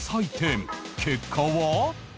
結果は？